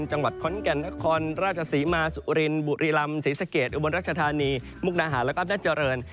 จังหวัดขอนแก่นนครราชศรีมาสุรินบุรีลำศรีสะเกดอุบลรัชธานีมุกดาหารแล้วก็อำนาจเจริญ